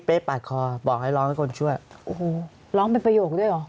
ปาดคอบอกให้ร้องให้คนช่วยโอ้โหร้องเป็นประโยคด้วยเหรอ